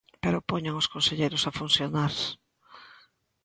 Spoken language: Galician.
¡Pero poñan os conselleiros a funcionar!